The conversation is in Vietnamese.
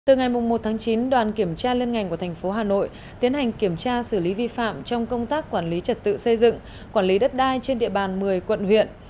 từ ngày một chín đoàn kiểm tra liên ngành của tp hà nội tiến hành kiểm tra xử lý vi phạm trong công tác quản lý trật tự xây dựng quản lý đất đai trên địa bàn một mươi quận huyện